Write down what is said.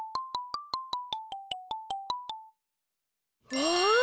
わあ！